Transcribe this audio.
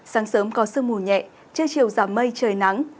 sáng sớm có sương mù nhẹ trưa chiều giảm mây trời nắng